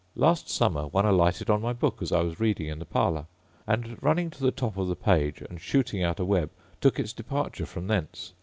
Last summer one alighted on my book as I was reading in the parlour; and, running to the top of the page, and shooting out a web, took its departure from thence.